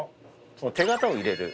その手形を入れる。